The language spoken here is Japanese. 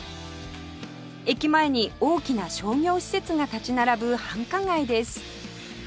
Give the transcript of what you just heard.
駅前に大きな商業施設が立ち並ぶ繁華街です